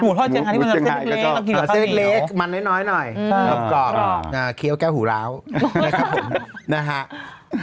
หมูทอดเจียงไฮพี่หนุ่มจะเซ็ทเล็กมันน้อยแล้วกรอบเคียวก้าวหูร้าวนะครับผม